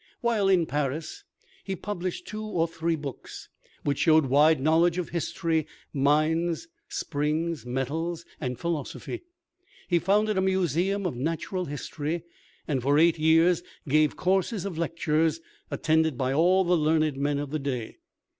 While in Paris, he published two or three books which showed wide knowledge of history, mines, springs, metals, and philosophy. He founded a Museum of Natural History, and for eight years gave courses of lectures, attended by all the learned men of the day.